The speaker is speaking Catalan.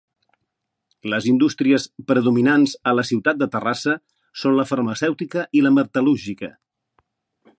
Les indústries predominants a la ciutat de Terrassa són la Farmacèutica i la Metal·lúrgica.